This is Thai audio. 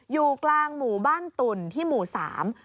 อยู่กลางหมู่บ้านตุ่นที่หมู่สาม